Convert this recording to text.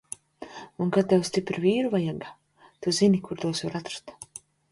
Un kad tev stipru vīru vajaga, tu zini, kur tos var atrast!